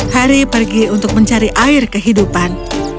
harry pergi untuk mencari air kehidupan